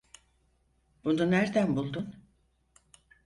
Bunu nerden buldun?